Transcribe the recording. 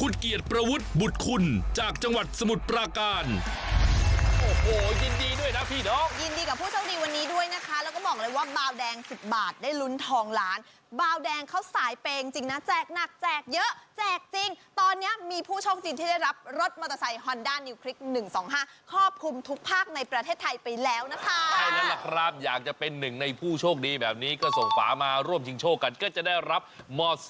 ขุดเกียรติประวุฒิบุตคุณจากจังหวัดสมุทรปราการโอ้โหยยยินดีด้วยนะพี่น้องยินดีกับผู้ช่องดีวันนี้ด้วยนะคะแล้วก็บอกเลยว่าเบาแดงสิบบาทได้ลุ้นทองล้านเบาแดงเขาสายไปจริงจริงนะแจกหนักแจกเยอะแจกจริงตอนเนี้ยมีผู้โชคจริงที่ได้รับรถมอเตอร์ไซค์ฮอนดานิวคลิกหนึ่งสองห้าครอบคลุมท